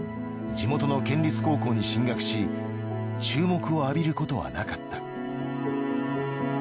地元の県立高校に進学し注目を浴びることはなかった。